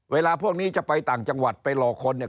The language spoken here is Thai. เวลาพวกนี้จะไปต่างจังหวัดไปหลอกคนเนี่ย